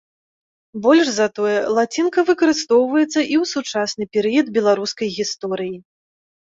Больш за тое, лацінка выкарыстоўваецца і ў сучасны перыяд беларускай гісторыі.